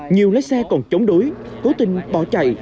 nhiều lái xe còn chống đối cố tình bỏ chạy